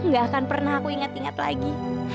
gak akan pernah aku ingat ingat lagi